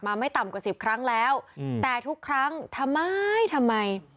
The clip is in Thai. ไม่ต่ำกว่าสิบครั้งแล้วแต่ทุกครั้งทำไมทำไม